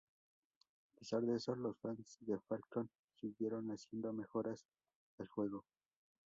A pesar de eso, los fans de Falcon siguieron haciendo mejoras al juego.